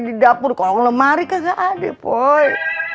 di dapur kolong lemari kagak ada poy